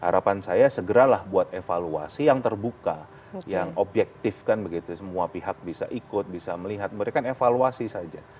harapan saya segeralah buat evaluasi yang terbuka yang objektif kan begitu semua pihak bisa ikut bisa melihat mereka evaluasi saja